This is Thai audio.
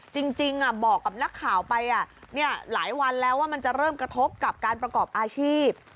จริงบอกกับนักข่าวไปหลายวันแล้วว่ามันจะเริ่มกระทบกับการประกอบอาชีพ